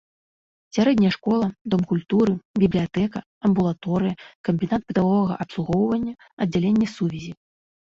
Сярэдняя школа, дом культуры, бібліятэка, амбулаторыя, камбінат бытавога абслугоўвання, аддзяленне сувязі.